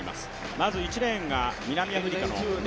まず１レーンが南アフリカ。